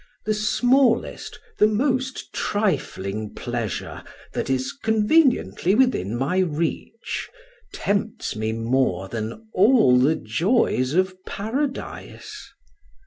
The smallest, the most trifling pleasure that is conveniently within my reach, tempts me more than all the joys of paradise.